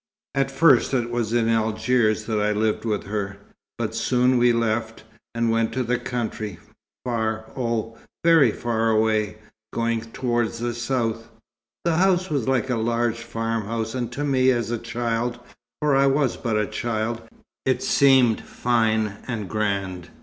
At first it was in Algiers that I lived with her, but soon we left, and went to the country, far, oh, very far away, going towards the south. The house was like a large farmhouse, and to me as a child for I was but a child it seemed fine and grand.